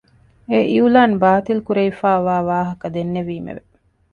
އެ އިއުލާން ބާތިލްކުރެވިފައިވާ ވާހަކަ ދެންނެވީމެވެ.